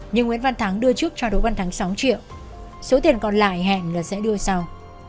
nhưng nguyễn văn thắng đưa trước cho đỗ văn thắng sáu triệu số tiền còn lại hẹn là sẽ đưa sau